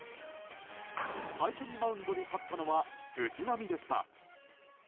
最初にマウンドに立ったのは藤浪でした。